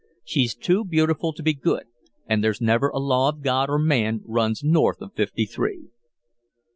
She's too beautiful to be good and 'there's never a law of God or man runs north of Fifty three.'"